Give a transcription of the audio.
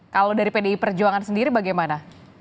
kalau dari pdi perjuangan sendiri bagaimana